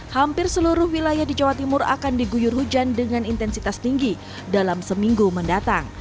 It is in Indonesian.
hampir seluruh wilayah di jawa timur akan diguyur hujan dengan intensitas tinggi dalam seminggu mendatang